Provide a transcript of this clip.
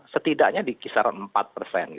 setidaknya di kisaran empat persen